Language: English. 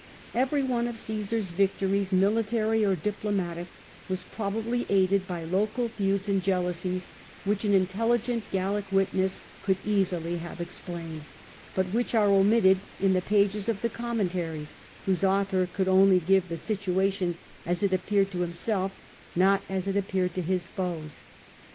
Every one of Cassar's victories, military or diplomatic, was probably aided by local feuds and jealousies, which an intelligent Gallic witness could easily have explained, but which are omitted in the pages of the Commentaries, whose author could only give the situation as it appeared to himself, not as it appeared to his foes.